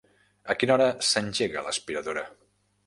A quina hora s'engega l'aspiradora?